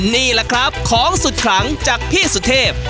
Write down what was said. นี่แหละครับของสุดขลังจากพี่สุเทพ